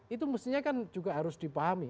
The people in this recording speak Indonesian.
itu mestinya kan juga harus dipahami